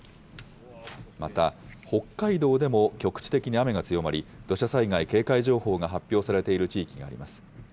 また、北海道でも局地的に雨が強まり、土砂災害警戒情報が発表されている地域があります。